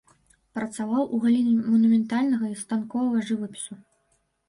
Працаваў у галіне манументальнага і станковага жывапісу.